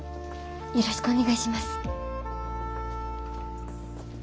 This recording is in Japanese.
よろしくお願いします。